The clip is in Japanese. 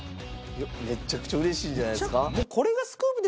めちゃくちゃ嬉しいんじゃないですか？